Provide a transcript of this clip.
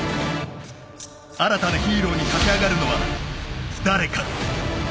新たなヒーローに駆け上がるのは誰か。